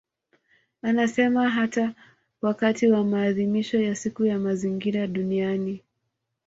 Anasema hata wakati wa maadhimisho wa Siku ya Mazingira Duniani